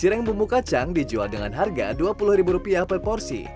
cireng bumbu kacang dijual dengan harga dua puluh per porsi